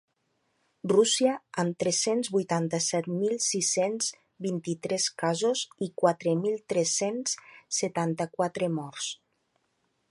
Rússia, amb tres-cents vuitanta-set mil sis-cents vint-i-tres casos i quatre mil tres-cents setanta-quatre morts.